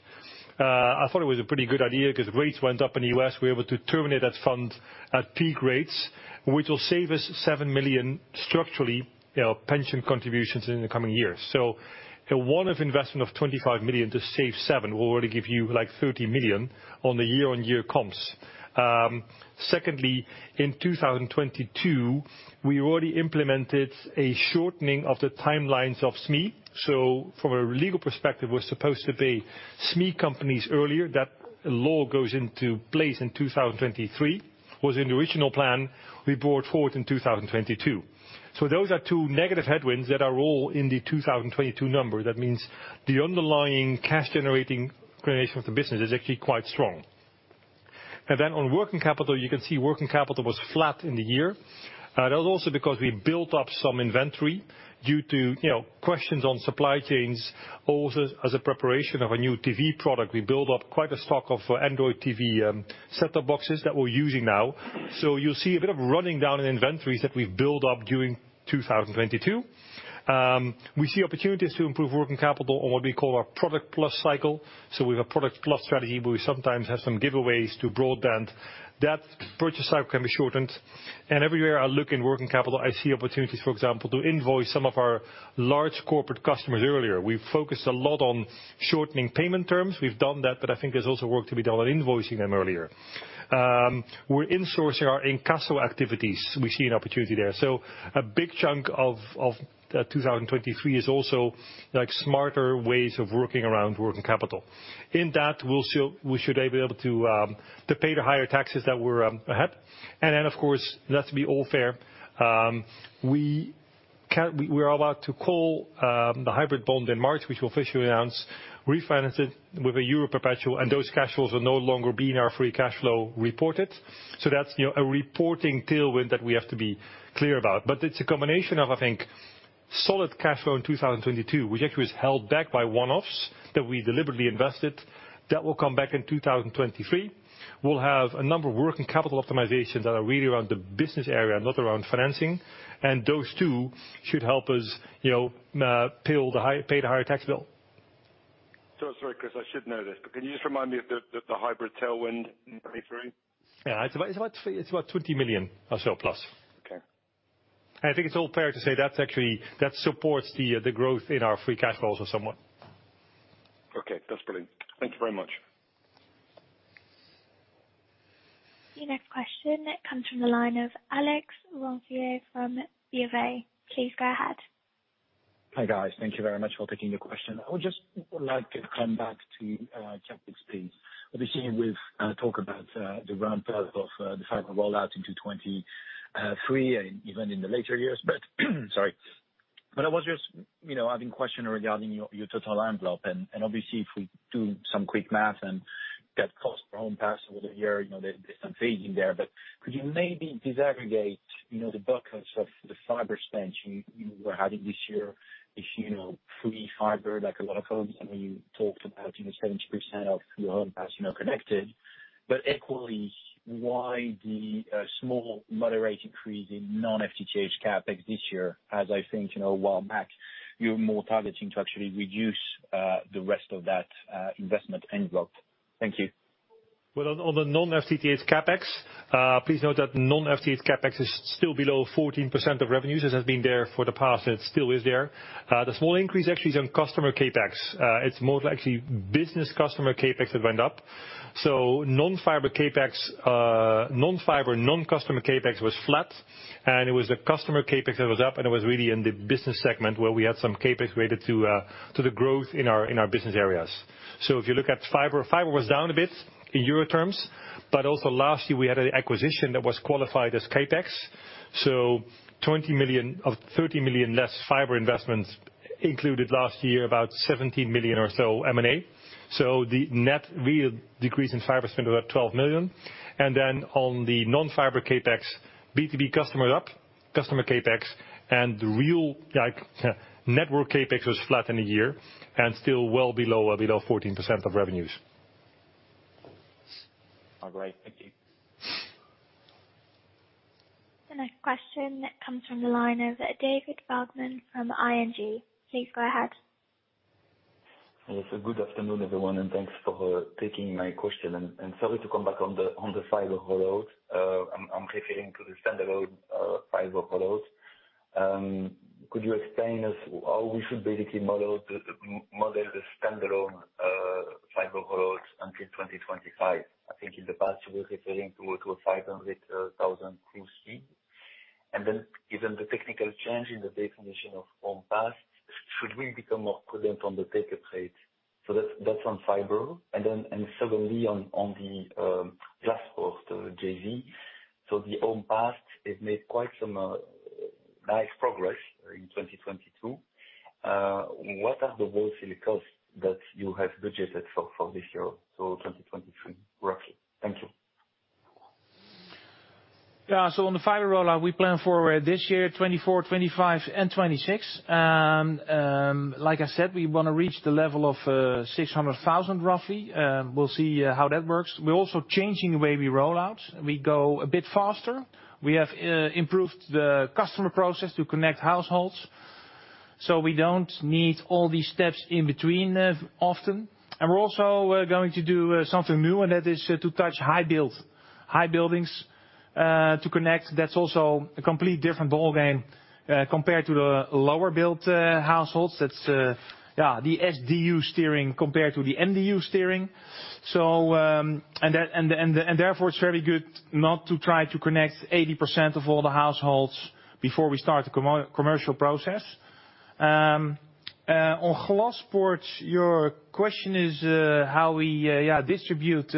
I thought it was a pretty good idea because rates went up in the U.S., we were able to terminate that fund at peak rates, which will save us 7 million structurally, you know, pension contributions in the coming years. A one-off investment of 25 million to save 7 million will already give you, like, 30 million on the year-over-year comps. Secondly, in 2022, we already implemented a shortening of the timelines of SME. From a legal perspective, we're supposed to pay SME companies earlier. That law goes into place in 2023. Was in the original plan, we brought forward in 2022. Those are two negative headwinds that are all in the 2022 number. That means the underlying cash generating creation of the business is actually quite strong. On working capital, you can see working capital was flat in the year. That was also because we built up some inventory due to, you know, questions on supply chains, also as a preparation of a new TV product. We built up quite a stock of Android TV set-top boxes that we're using now. You'll see a bit of running down in inventories that we've built up during 2022. We see opportunities to improve working capital on what we call our product plus cycle. We have a product plus strategy, where we sometimes have some giveaways to broadband. That purchase cycle can be shortened. Everywhere I look in working capital, I see opportunities, for example, to invoice some of our large corporate customers earlier. We've focused a lot on shortening payment terms. We've done that, I think there's also work to be done on invoicing them earlier. We're insourcing our incasso activities. We see an opportunity there. A big chunk of 2023 is also, like, smarter ways of working around working capital. In that, we'll still, we should be able to pay the higher taxes that we're ahead. Then, of course, let's be all fair, we're about to call the hybrid bond in March, which we'll officially announce, refinance it with a euro perpetual, and those cash flows will no longer be in our free cash flow reported. That's, you know, a reporting tailwind that we have to be clear about. It's a combination of, I think. Solid cash flow in 2022, which actually was held back by one-offs that we deliberately invested, that will come back in 2023. We'll have a number of working capital optimizations that are really around the business area, not around financing. Those two should help us, you know, pay the higher tax bill.
Sorry, Chris, I should know this, but can you just remind me of the hybrid tailwind in 2023?
Yeah. It's about 20 million or so plus.
Okay.
I think it's all fair to say that supports the growth in our free cash flows somewhat.
Okay, that's brilliant. Thank you very much.
The next question comes from the line of Alex Ronvier from UBS. Please go ahead.
Hi, guys. Thank you very much for taking the question. I would just like to come back to CapEx, please. Obviously, we've talked about the ramp-up of the fiber rollout in 2023 and even in the later years. But I was just, you know, having a question regarding your total envelope. And obviously, if we do some quick math and get cost per home pass over the year, you know, there's some phasing there. But could you maybe disaggregate, you know, the buckets of the fiber spend you were having this year if you know free fiber, like a lot of homes, I know you talked about, you know, 70% of your home passes are connected. Equally, why the small moderate increase in non-FTTH CapEx this year, as I think, you know, while back you're more targeting to actually reduce the rest of that investment envelope. Thank you.
Well, on the non-FTTH CapEx, please note that non-FTTH CapEx is still below 14% of revenues, as has been there for the past and it still is there. The small increase actually is on customer CapEx. It's more like actually business customer CapEx that went up. Non-fiber CapEx. Non-fiber, non-customer CapEx was flat, and it was the customer CapEx that was up, and it was really in the business segment where we had some CapEx related to the growth in our business areas. If you look at fiber was down a bit in EUR terms, but also last year we had an acquisition that was qualified as CapEx. 20 million of 30 million less fiber investments included last year, about 17 million or so M&A. The net real decrease in fiber spend was about 12 million. On the non-fiber CapEx, B2B customer CapEx, and the real, like, network CapEx was flat in the year and still well below 14% of revenues.
Oh, great. Thank you.
The next question comes from the line of David Vagman from ING. Please go ahead.
Yes, good afternoon, everyone, thanks for taking my question. Sorry to come back on the fiber rollout. I'm referring to the standalone fiber rollout. Could you explain us how we should basically model the standalone fiber rollout until 2025? I think in the past you were referring to a 500,000 cruise speed. Given the technical change in the definition of homes passed, should we become more prudent on the takeup rate? That's on fiber. Secondly, on the Glaspoort JV. The homes passed, they've made quite some nice progress in 2022. What are the wholesale costs that you have budgeted for this year, so 2023, roughly? Thank you.
Yeah. On the fiber rollout, we plan for this year, 2024, 2025 and 2026. Like I said, we wanna reach the level of 600,000, roughly. We'll see how that works. We're also changing the way we roll out. We go a bit faster. We have improved the customer process to connect households, so we don't need all these steps in between as often. We're also going to do something new, and that is to touch high buildings to connect. That's also a complete different ballgame compared to the lower build households. That's, yeah, the SDU steering compared to the MDU steering. It's very good not to try to connect 80% of all the households before we start the commercial process. On Glaspoort, your question is how we, yeah, distribute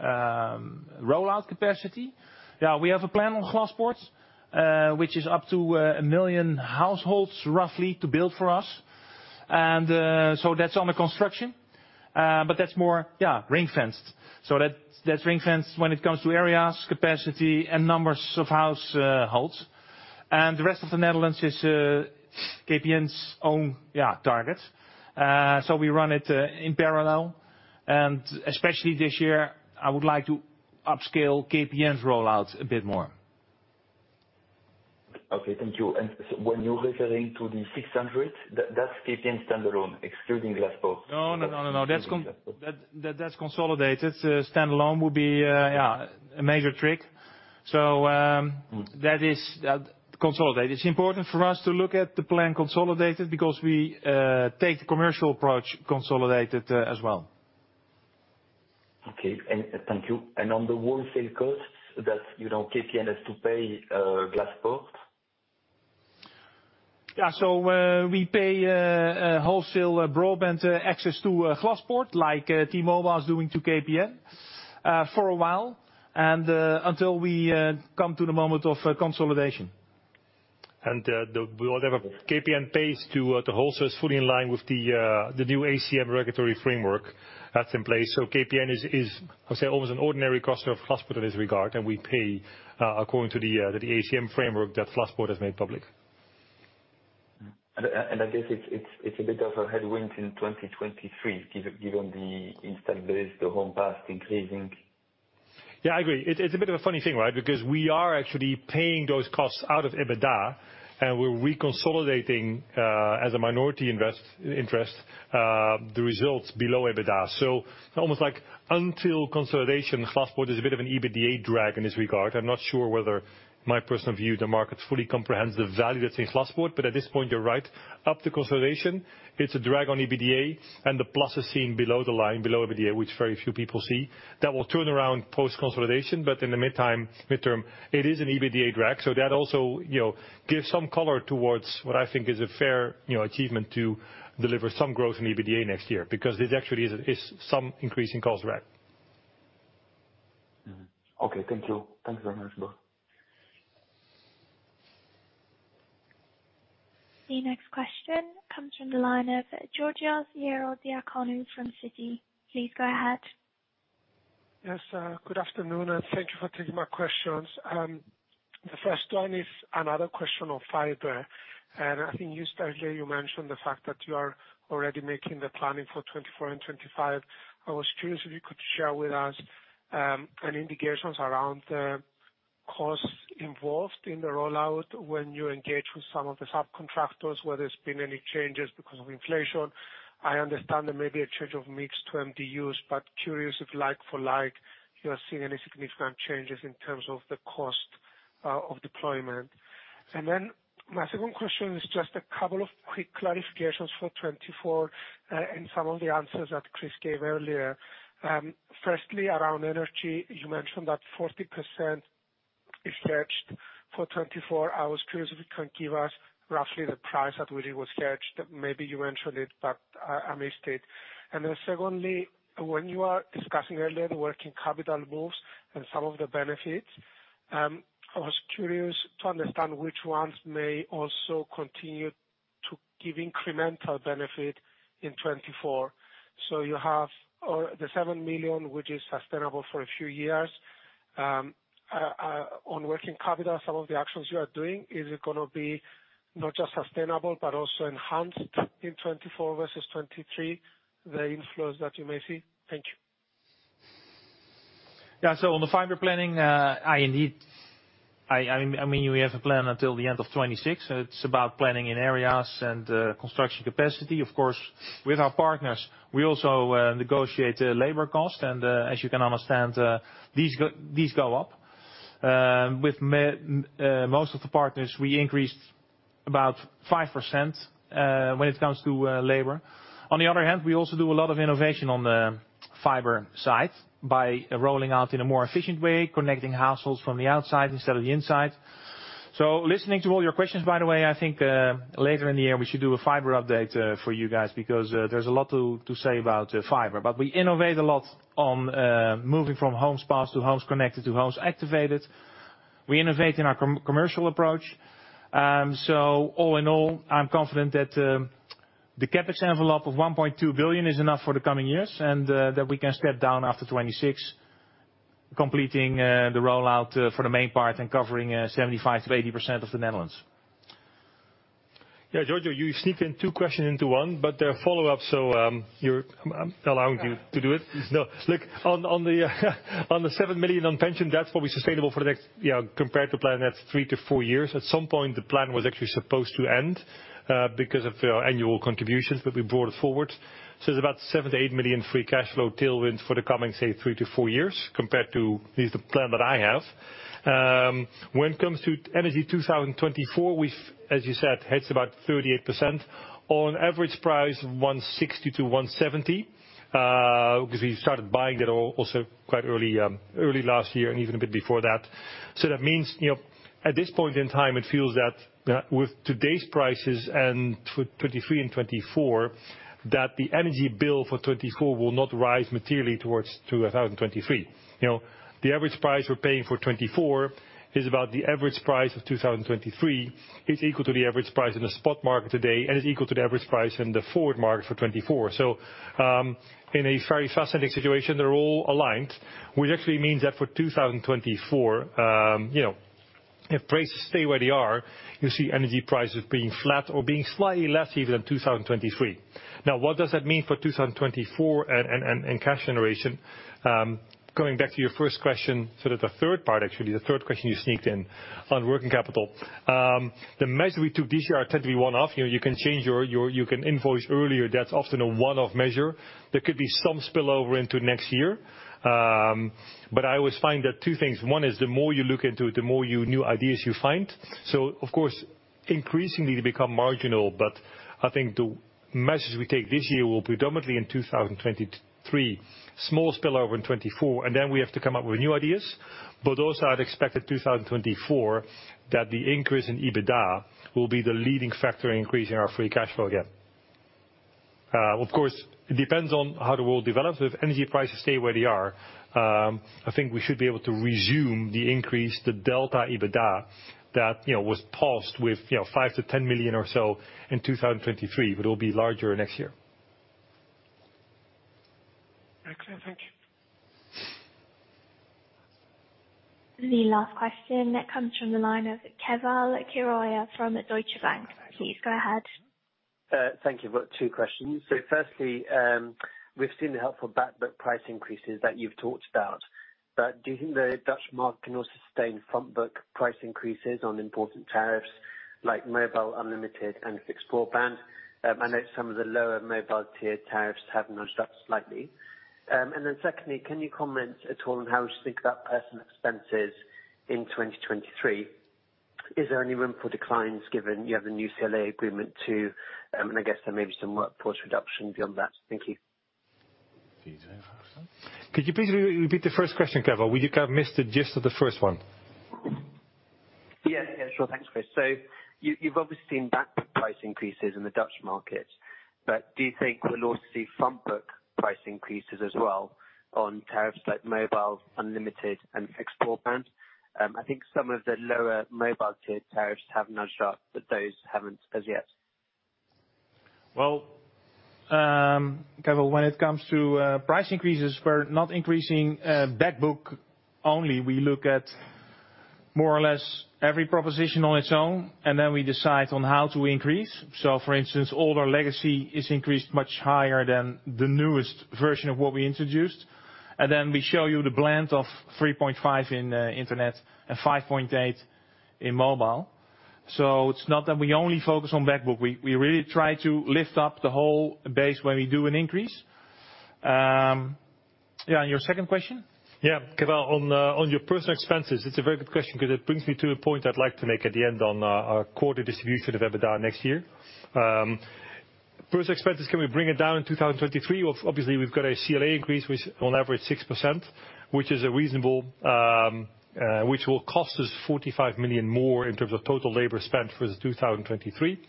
rollout capacity. Yeah. We have a plan on Glaspoort, which is up to 1 million households, roughly, to build for us. That's under construction. That's more, yeah, ring-fenced. That's ring-fenced when it comes to areas, capacity and numbers of households. The rest of the Netherlands is KPN's own, yeah, target. We run it in parallel. Especially this year, I would like to upscale KPN's rollout a bit more.
Okay, thank you. When you're referring to the 600, that's KPN standalone, excluding Glaspoort?
No, no, no.
Excluding Glaspoort.
That's consolidated. Standalone would be, yeah, a major trick.
Mm.
That is consolidated. It's important for us to look at the plan consolidated because we take the commercial approach consolidated as well.
Okay. Thank you. On the wholesale costs that, you know, KPN has to pay, Glaspoort?
We pay wholesale broadband access to Glaspoort, like T-Mobile is doing to KPN for a while, and until we come to the moment of consolidation.
The, whatever KPN pays to wholesale is fully in line with the new ACM regulatory framework that's in place. KPN is, I'll say, almost an ordinary customer of Glaspoort in this regard, and we pay according to the ACM framework that Glaspoort has made public.
I guess it's a bit of a headwind in 2023 given the install base, the home pass increasing.
It's a bit of a funny thing, right? We are actually paying those costs out of EBITDA, and we're reconsolidating as a minority interest the results below EBITDA. Almost like until consolidation, Glaspoort is a bit of an EBITDA drag in this regard. I'm not sure whether my personal view, the market fully comprehends the value that's in Glaspoort, at this point, you're right. Up to consolidation, it's a drag on EBITDA and the plus is seen below the line, below EBITDA, which very few people see. That will turn around post-consolidation, in the midterm, it is an EBITDA drag. That also, you know, gives some color towards what I think is a fair, you know, achievement to deliver some growth in EBITDA next year, because it actually is some increase in cost rack.
Okay, thank you. Thanks very much, Bob.
The next question comes from the line of Georgios Ierodiaconou from Citi. Please go ahead.
Yes, good afternoon, and thank you for taking my questions. The first one is another question on fiber. I think you stated, you mentioned the fact that you are already making the planning for 2024 and 2025. I was curious if you could share with us any indications around the costs involved in the rollout when you engage with some of the subcontractors, whether it's been any changes because of inflation. I understand there may be a change of mix to MDUs, but curious if like for like, you are seeing any significant changes in terms of the cost of deployment. My second question is just a couple of quick clarifications for 2024, and some of the answers that Chris gave earlier. Firstly, around energy, you mentioned that 40% is hedged for 2024. I was curious if you can give us roughly the price at which it was hedged. Maybe you mentioned it, but I missed it. Secondly, when you are discussing earlier the working capital moves and some of the benefits, I was curious to understand which ones may also continue to give incremental benefit in 2024. You have the 7 million, which is sustainable for a few years. On working capital, some of the actions you are doing, is it gonna be not just sustainable, but also enhanced in 2024 versus 2023, the inflows that you may see? Thank you.
Yeah. On the fiber planning, I mean, we have a plan until the end of 2026. It's about planning in areas and construction capacity. Of course, with our partners, we also negotiate labor cost. As you can understand, these go up. With most of the partners, we increased about 5% when it comes to labor. On the other hand, we also do a lot of innovation on the fiber side by rolling out in a more efficient way, connecting households from the outside instead of the inside. Listening to all your questions, by the way, I think later in the year, we should do a fiber update for you guys because there's a lot to say about fiber. We innovate a lot on moving from homes passed to homes connected to homes activated. We innovate in our commercial approach. All in all, I'm confident that the CapEx envelope of 1.2 billion is enough for the coming years and that we can step down after 2026, completing the rollout for the main part and covering 75%-80% of the Netherlands.
Giorgio, you sneaked in two questions into one, but they're follow-ups, so I'm allowing you to do it. Look, on the 7 million on pension, that's what we sustainable for the next, you know, compared to plan, that's three to four years. At some point, the plan was actually supposed to end because of annual contributions, but we brought it forward. It's about 7 million-8 million free cash flow tailwind for the coming, say, three to four years compared to at least the plan that I have. When it comes to energy 2024, we've, as you said, hedged about 38% on average price 160-170 because we started buying that also quite early last year and even a bit before that. That means, you know, at this point in time, it feels that, with today's prices and with 2023 and 2024, that the energy bill for 2024 will not rise materially towards to 2023. You know, the average price we're paying for 2024 is about the average price of 2023. It's equal to the average price in the spot market today, and it's equal to the average price in the forward market for 2024. In a very fascinating situation, they're all aligned, which actually means that for 2024, you know, if prices stay where they are, you see energy prices being flat or being slightly less even than 2023. What does that mean for 2024 and cash generation? Going back to your first question, the third part, actually, the third question you sneaked in on working capital. The measures we took this year are technically one-off. You know, you can change your, you can invoice earlier. That's often a one-off measure. There could be some spill over into next year. I always find that two things. One is the more you look into it, the more you new ideas you find. Of course, increasingly they become marginal. I think the measures we take this year will predominantly in 2023, small spill over in 2024, and then we have to come up with new ideas. Also I'd expect that 2024, that the increase in EBITDA will be the leading factor in increasing our free cash flow again. Of course, it depends on how the world develops. If energy prices stay where they are, I think we should be able to resume the increase, the delta EBITDA that, you know, was paused with, you know, 5 million-10 million or so in 2023, but it'll be larger next year.
Excellent. Thank you.
The last question that comes from the line of Keval Khiroya from Deutsche Bank. Please go ahead.
Thank you. I've got two questions. Firstly, we've seen the helpful backbook price increases that you've talked about. Do you think the Dutch market can also sustain frontbook price increases on important tariffs like mobile, unlimited, and fixed broadband? I know some of the lower mobile tier tariffs have nudged up slightly. Secondly, can you comment at all on how you think about personal expenses in 2023? Is there any room for declines given you have the new CLA agreement too, and I guess there may be some workforce reduction beyond that. Thank you.
Could you please re-repeat the first question, Keval? We think I missed the gist of the first one.
Yeah, sure. Thanks, Chris. You've obviously seen backbook price increases in the Dutch markets, but do you think we'll also see frontbook price increases as well on tariffs like mobile, unlimited, and fixed broadband? I think some of the lower mobile tier tariffs have nudged up, but those haven't as yet.
Keval, when it comes to price increases, we're not increasing backbook only. We look at more or less every proposition on its own, and then we decide on how to increase. For instance, older legacy is increased much higher than the newest version of what we introduced. We show you the blend of 3.5% in internet and 5.8% in mobile. It's not that we only focus on backbook. We really try to lift up the whole base when we do an increase. Your second question?
Yeah. Keval, on your personal expenses, it's a very good question because it brings me to a point I'd like to make at the end on our quarter distribution of EBITDA next year. Personal expenses, can we bring it down in 2023? Well, obviously, we've got a CLA increase, which on average 6%, which will cost us 45 million more in terms of total labor spent for 2023.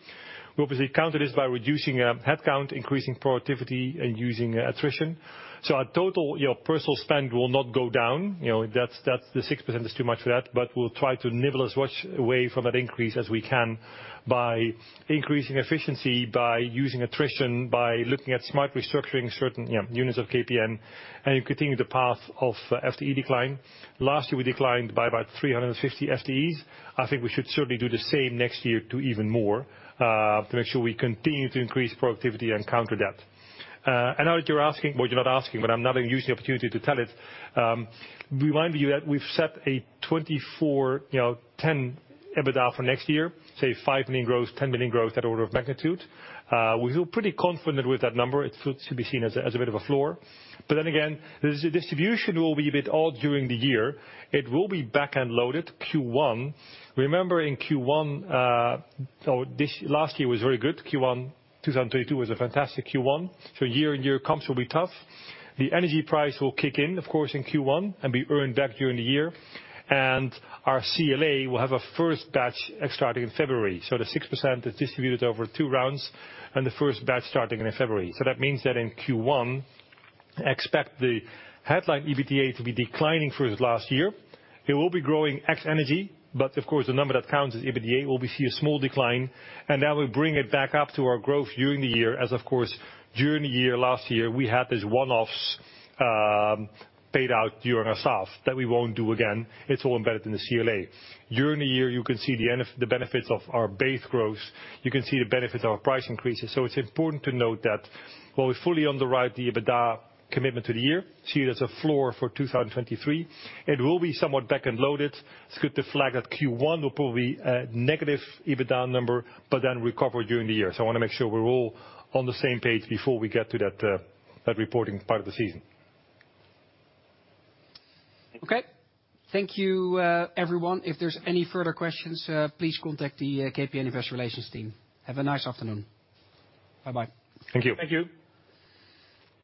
We obviously counter this by reducing headcount, increasing productivity, and using attrition. Our total, you know, personal spend will not go down. You know, that's the 6% is too much for that, we'll try to nibble as much away from that increase as we can by increasing efficiency, by using attrition, by looking at smart restructuring certain, you know, units of KPN, and continuing the path of FTE decline. Last year we declined by about 350 FTEs. I think we should certainly do the same next year, do even more to make sure we continue to increase productivity and counter that. I know that you're asking. Well, you're not asking, I'm now using the opportunity to tell it. Remind you that we've set a 2024, you know, 10 EBITDA for next year. Say 5 million growth, 10 million growth, that order of magnitude. We feel pretty confident with that number. It should be seen as a bit of a floor. Again, the distribution will be a bit odd during the year. It will be back-end loaded Q1. Remember in Q1, last year was very good. Q1 2022 was a fantastic Q1. Year-on-year comps will be tough. The energy price will kick in, of course, in Q1, and be earned back during the year. Our CLA will have a first batch starting in February. The 6% is distributed over two rounds, and the first batch starting in February. That means that in Q1, expect the headline EBITDA to be declining for the last year. It will be growing ex energy, but of course, the number that counts as EBITDA will be see a small decline, and that will bring it back up to our growth during the year. As of course, during the year last year, we had these one-offs paid out during our staff that we won't do again. It's all embedded in the CLA. During the year, you can see the end of the benefits of our base growth. You can see the benefits of our price increases. It's important to note that while we fully underwrite the EBITDA commitment to the year, see it as a floor for 2023, it will be somewhat back-end loaded. It's good to flag that Q1 will probably be a negative EBITDA number, but then recover during the year. I wanna make sure we're all on the same page before we get to that reporting part of the season.
Okay. Thank you, everyone. If there's any further questions, please contact the KPN Investor Relations team. Have a nice afternoon. Bye-bye.
Thank you.
Thank you.